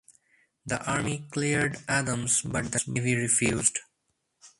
The Army cleared Adams, but the Navy refused.